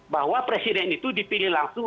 bahwa presiden itu dipilih langsung